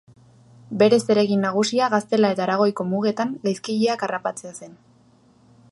Bere zeregin nagusia Gaztela eta Aragoiko mugetan gaizkileak harrapatzea zen.